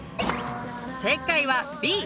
正解はＢ！